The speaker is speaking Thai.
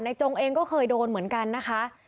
จงเองก็เคยโดนเหมือนกันนะคะ